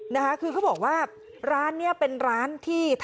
นะคะคือเขาบอกว่าร้านเนี้ยเป็นร้านที่ทำเกี่ยวกับอุปกรณ์